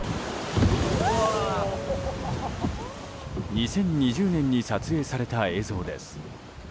２０２０年に撮影された映像です。